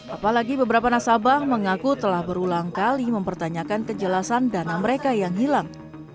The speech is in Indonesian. apalagi beberapa nasabah mengaku telah berulang kali mempertanyakan kejelasan dana mereka yang hilang